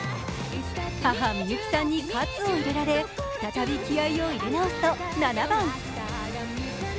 母・みゆきさんに喝を入れられ、再び気合いを入れ直すと７番。